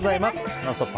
「ノンストップ！」